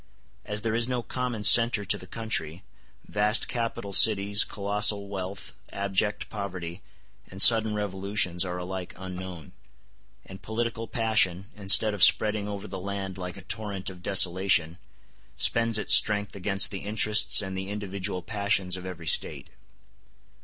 As there is no common centre to the country, vast capital cities, colossal wealth, abject poverty, and sudden revolutions are alike unknown; and political passion, instead of spreading over the land like a torrent of desolation, spends its strength against the interests and the individual passions of every State.